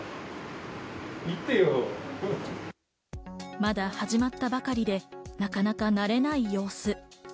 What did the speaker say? まだ始まったばかりで、なかなか慣れない様子。